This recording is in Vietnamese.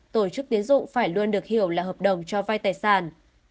tổ chức tiến dụng phải luôn được hiểu là hợp đồng cho vay tài sản